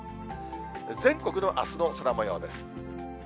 全国のあすの空もようです。